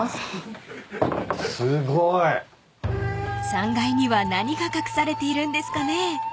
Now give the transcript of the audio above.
［３階には何が隠されているんですかね］